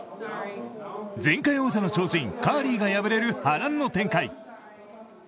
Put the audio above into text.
前回王者、カーリーが敗れる波乱の展開。